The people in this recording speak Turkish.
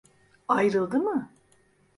Ayrıldı mı?